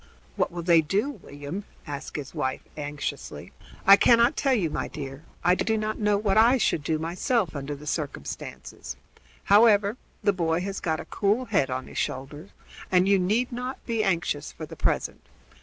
"What will they do, William?" asked his wife anxiously. "I cannot tell you, my dear. I do not know what I should do myself under the circumstances. However, the boy has got a cool head on his shoulders, and you need not be anxious for the present.